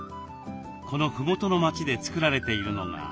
このふもとの町で作られているのが。